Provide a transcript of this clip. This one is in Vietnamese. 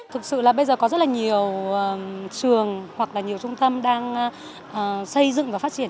thực sự là bây giờ có rất là nhiều trường hoặc là nhiều trung tâm đang xây dựng và phát triển